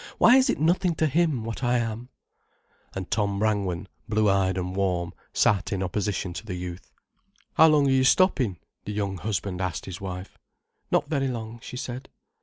"Why is it nothing to him, what I am?" And Tom Brangwen, blue eyed and warm, sat in opposition to the youth. "How long are you stopping?" the young husband asked his wife. "Not very long," she said.